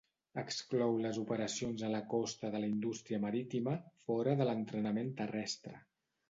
Exclou les operacions a la costa de la indústria marítima, fora de l'entrenament terrestre.